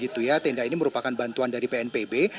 tenda ini merupakan bantuan dari pnpb